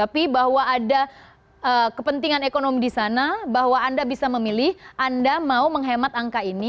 tapi bahwa ada kepentingan ekonomi di sana bahwa anda bisa memilih anda mau menghemat angka ini